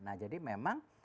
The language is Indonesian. nah jadi memang